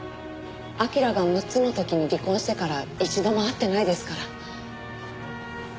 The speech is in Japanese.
彬が６つの時に離婚してから一度も会ってないですから。